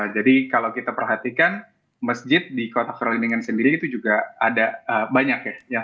jadi kalau kita perhatikan masjid di kota kroningen sendiri itu juga ada banyak ya